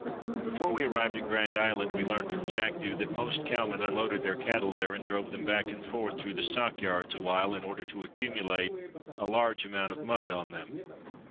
Before we arrived at Grand Island we learned from Jackdo that most cowmen unloaded their cattle there and drove them back and forth through the stockyards awhile in order to accumulate a large amount of mud on them.